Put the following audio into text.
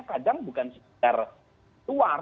kadang bukan sekedar luar